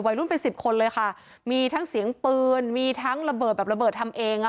วัยรุ่นเป็นสิบคนเลยค่ะมีทั้งเสียงปืนมีทั้งระเบิดแบบระเบิดทำเองอ่ะ